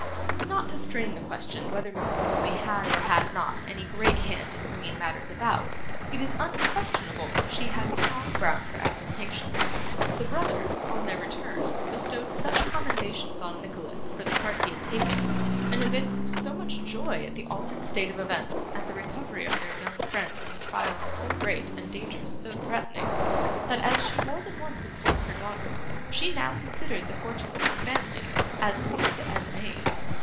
Not to strain the question whether Mrs. Nickleby had or had not any great hand in bringing matters about, it is unquestionable that she had strong ground for exultation. The brothers, on their return, bestowed such commendations on Nicholas for the part he had taken, and evinced so much joy at the altered state of events and the recovery of their young friend from trials so great and dangers so threatening, that, as she more than once informed her daughter, she now considered the fortunes of the family 'as good as' made.